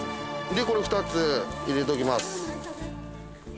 これ２つ入れときます。